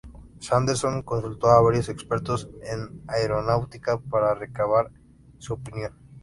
Sanderson consultó a varios expertos en aeronáutica para recabar su opinión.